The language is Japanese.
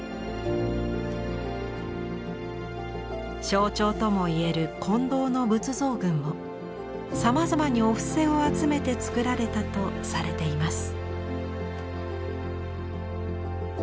象徴ともいえる金堂の仏像群もさまざまにお布施を集めてつくられたとされています。